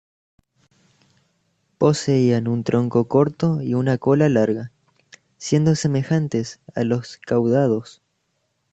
Poseían un tronco corto y una cola larga, siendo semejantes a los caudados.